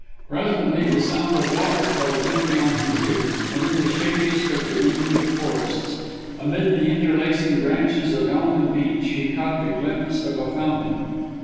Presently the sound of water fell gently on his ear, and in the shadiest of diminutive forests, amidst the interlacing branches of elm and beech, he caught the glimpse of a fountain.